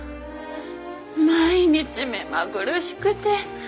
毎日目まぐるしくて。